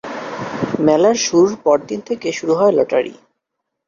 মেলার শুরুর পরদিন থেকে শুরু হয় লটারি।